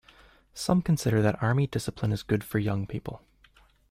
Some consider that army discipline is good for young people.